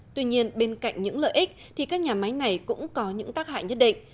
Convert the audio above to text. tuy nhiên bên cạnh những lợi ích thì các nhà máy này cũng có những tác hại nhất định